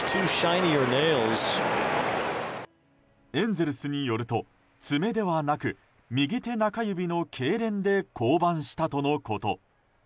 エンゼルスによると爪ではなく右手中指のけいれんで降板したとのこと。